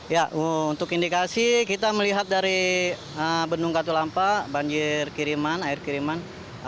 ya untuk indikasi kita melihat dari bendung katulampa banjir kiriman air kiriman